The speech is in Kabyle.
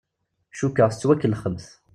Cukkeɣ tettwakellexemt.